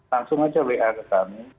langsung aja wa ke kami